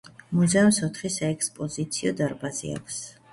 მუზეუმს ოთხი საექსპოზიციო დარბაზი აქვს.